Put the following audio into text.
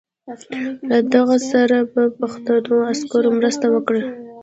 له ده سره به پښتنو عسکرو مرسته وکړي.